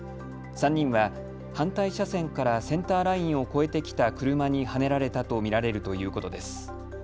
３人は、反対車線からセンターラインを越えてきた車にはねられたと見られるということです。